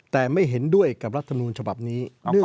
แต่ไม่เห็นด้วยกับรัฐมนูลฉบับนี้